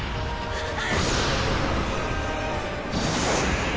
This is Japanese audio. あっ！